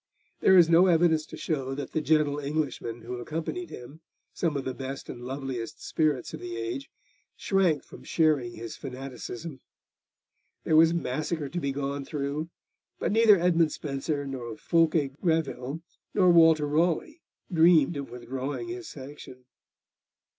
There is no evidence to show that the gentle Englishmen who accompanied him, some of the best and loveliest spirits of the age, shrank from sharing his fanaticism. There was massacre to be gone through, but neither Edmund Spenser, nor Fulke Greville, nor Walter Raleigh dreamed of withdrawing his sanction.